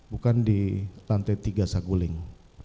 bukan di lantai tiga saguling